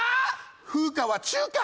風花は中華！